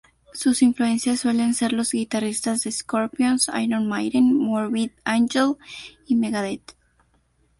Sus influencias suelen ser los guitarristas de Scorpions, Iron Maiden, Morbid Angel, y Megadeth.